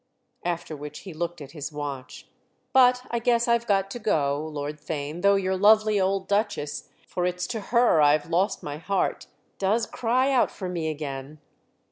After which he looked at his watch. "But I guess I've got to go, Lord Theign, though your lovely old Duchess—for it's to her I've lost my heart—does cry out for me again."